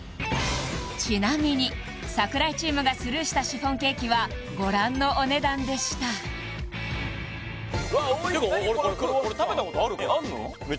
ちなみに櫻井チームがスルーしたシフォンケーキはご覧のお値段でした何このクロワッサンあるの？